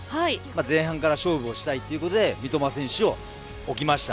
前半から勝負をしたいということで三笘選手を置きました。